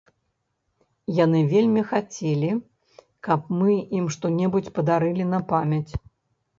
Яны вельмі хацелі, каб мы ім што-небудзь падарылі на памяць!